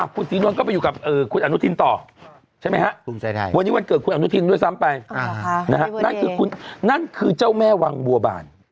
คุณสีนวลก็ไปอยู่กับคุณอันนุธินต่อใช่ไหมครับ